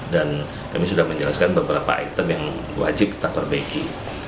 dan kami sudah menjelaskan beberapa item yang wajib kita perbaiki